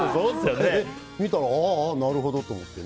見たらああ、なるほどって思って。